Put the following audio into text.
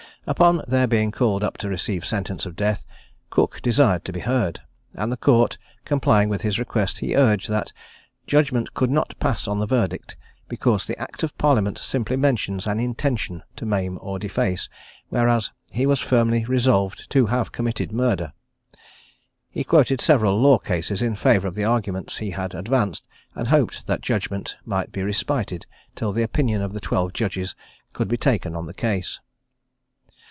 Upon their being called up to receive sentence of death, Cooke desired to be heard: and the court complying with his request, he urged that "judgment could not pass on the verdict, because the act of parliament simply mentions an intention to maim or deface, whereas he was firmly resolved to have committed murder." He quoted several law cases in favour of the arguments he had advanced, and hoped that judgment might be respited till the opinion of the twelve judges could be taken on the case.